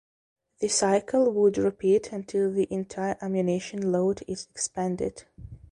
The cycle would repeat until the entire ammunition load is expended.